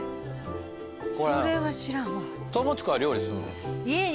それは知らんわ。